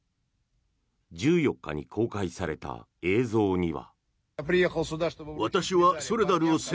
１４日に公開された映像には。